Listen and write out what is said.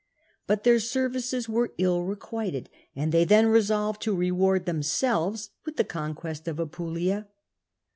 But their services were ill requited, and they then resolved to reward themselves with the conquest of Apulia.